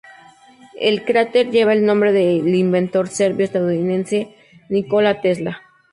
El cráter lleva el nombre del inventor serbio estadounidense Nikola Tesla.